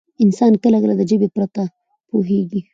انسان کله کله د ژبې پرته پوهېږي.